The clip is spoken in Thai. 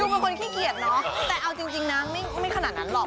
คือเป็นคนขี้เกียจเนอะแต่เอาจริงนะไม่ขนาดนั้นหรอก